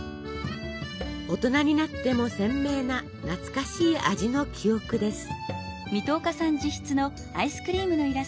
大人になっても鮮明な懐かしい味の記憶です。